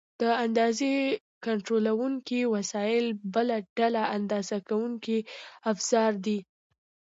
د اندازې کنټرولونکي وسایل بله ډله اندازه کوونکي افزار دي.